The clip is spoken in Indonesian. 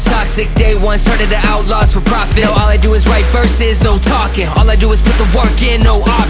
sekarang kamu sudah boleh pulang